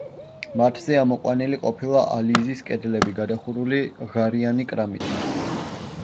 მათზე ამოყვანილი ყოფილა ალიზის კედლები, გადახურული ღარიანი კრამიტით.